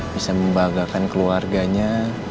bisa membahagakan keluarganya